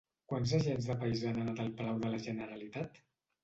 Quants agents de paisà han anat al Palau de la Generalitat?